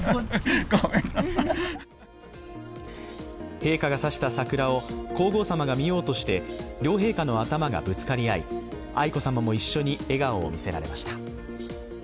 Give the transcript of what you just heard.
陛下が指した桜を皇后さまが見ようとして両陛下の頭がぶつかり合い愛子さまも一緒に笑顔を見せられました。